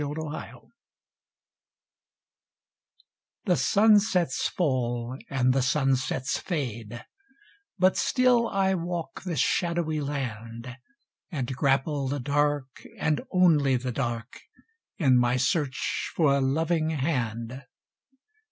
Stanzas The sunsets fall and the sunsets fade, But still I walk this shadowy land; And grapple the dark and only the dark In my search for a loving hand.